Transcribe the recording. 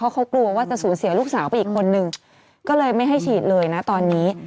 เขากลัวว่าจะสูญเสียลูกสาวไปอีกคนนึงก็เลยไม่ให้ฉีดเลยนะตอนนี้